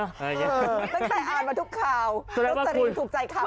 ไม่ใส่อ่านมาทุกคราวไม่รู้จักหรือถูกใจคราว